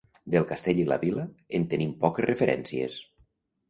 Del castell i la vila, en tenim poques referències.